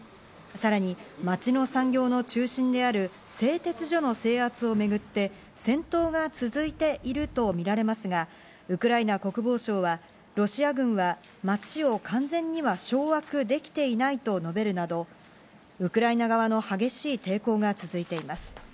さらに街の産業の中心である製鉄所の制圧をめぐって戦闘が続いていると見られますが、ウクライナ国防省はロシア軍は街を完全には掌握できていないと述べるなど、ウクライナ側の激しい抵抗が続いています。